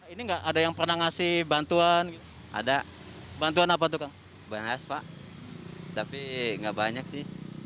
ini enggak ada yang pernah ngasih bantuan ada bantuan apa tuh bang tapi enggak banyak sih